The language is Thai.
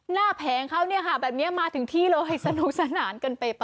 แผงเขาเนี่ยค่ะแบบนี้มาถึงที่เลยสนุกสนานกันไป